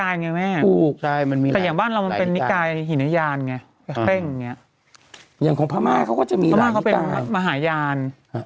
อยุ่งแห่งอย่างนี้อย่างของพระมาพเขาก็จะมีหน้างเขาเป็นมหายาน